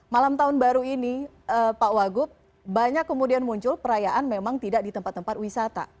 malam tahun baru ini pak wagub banyak kemudian muncul perayaan memang tidak di tempat tempat wisata